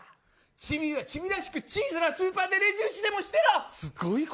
チビはチビらしく小さなスーパーでレジ打ちでもしてろ。